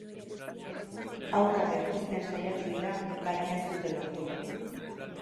Haurra berpizten saiatu dira, baina ez dute lortu.